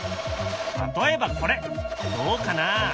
例えばこれ！どうかなあ。